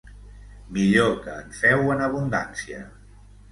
Millor que en feu en abundància.